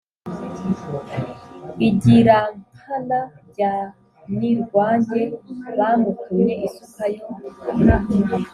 igirankana bya Nirwange bamutumye isuka yo